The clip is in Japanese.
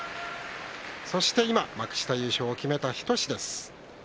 そして今幕下優勝を決めた日翔志です。